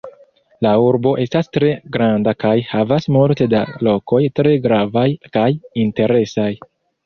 La urbo estas tre granda kaj havas multe da lokoj tre gravaj kaj interesaj.